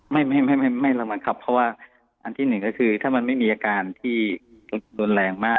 ไม่ไม่ระมัดครับเพราะว่าอันที่หนึ่งก็คือถ้ามันไม่มีอาการที่รุนแรงมาก